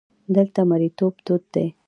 دلته مریتوب دود وو.